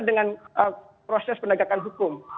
dengan proses penegakan hukum